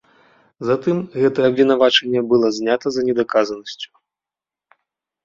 Затым гэтае абвінавачванне было знята за недаказанасцю.